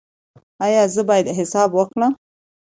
ایا زه باید حساب وکړم؟